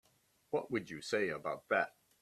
What would you say about that?